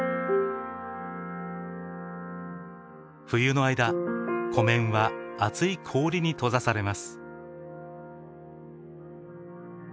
冬の間湖面は厚い氷に閉ざされます。